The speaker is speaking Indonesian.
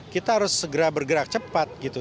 kita harus segera bergerak cepat gitu